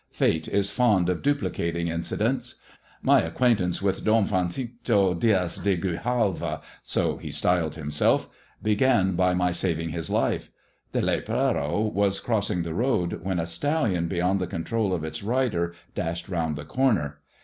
Fate is fond d duplicating incidents. My acquaintance with Don fPanchito Diaz de Grijalva — for so he styled himself — began (by my saving his life. The lepero was crossing the road, f when a stallion beyond the control of its rider dashed round ' the corner.